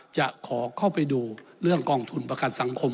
จะขอเข้าไปดูเรื่องกองทุนประกันสังคม